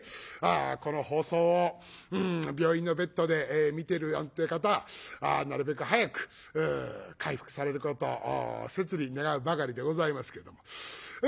この放送を病院のベッドで見てるなんて方なるべく早く回復されることを切に願うばかりでございますけども。